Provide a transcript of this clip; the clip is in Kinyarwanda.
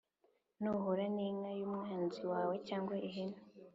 Nuhura n’inka y’umwanzi wawe cyangwa ihene